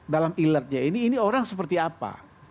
dalam ilatnya ini ini orang seperti apa